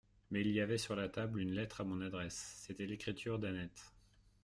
Mais il y avait sur la table une lettre à mon adresse ; c'était l'écriture d'Annette.